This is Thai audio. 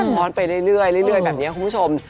ฟ้อนไปเรื่อยเรื่อยแบบนี้คุณผู้ชม